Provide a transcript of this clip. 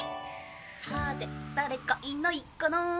さて誰かいないかな？